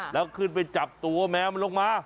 แล้วขึ้นไปจับตัวแมวมันลงมา